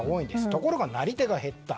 ところがなり手が減った。